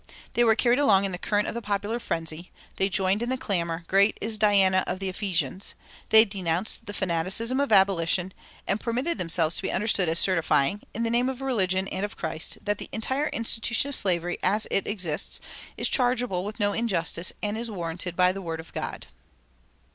They were carried along in the current of the popular frenzy; they joined in the clamor, 'Great is Diana of the Ephesians;' they denounced the fanaticism of abolition and permitted themselves to be understood as certifying, in the name of religion and of Christ, that the entire institution of slavery 'as it exists' is chargeable with no injustice and is warranted by the word of God."